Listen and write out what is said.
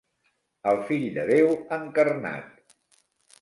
El Fill de Déu encarnat.